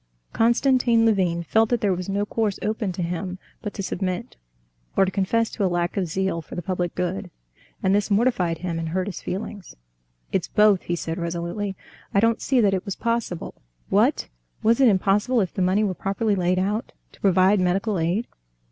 Konstantin Levin felt that there was no course open to him but to submit, or to confess to a lack of zeal for the public good. And this mortified him and hurt his feelings. "It's both," he said resolutely: "I don't see that it was possible...." "What! was it impossible, if the money were properly laid out, to provide medical aid?"